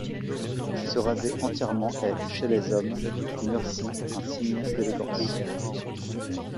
Se raser entièrement est, chez les hommes Mursi, un signe d'élégance.